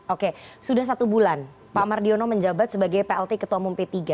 oke sudah satu bulan pak mardiono menjabat sebagai plt ketua umum p tiga